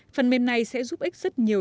phần mềm này sẽ giúp ích rất nhiều